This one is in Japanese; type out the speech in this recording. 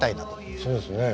そうですね。